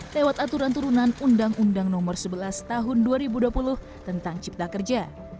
lewat aturan turunan undang undang nomor sebelas tahun dua ribu dua puluh tentang cipta kerja